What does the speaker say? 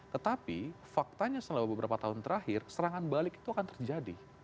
tetapi faktanya selama beberapa tahun terakhir serangan balik itu akan terjadi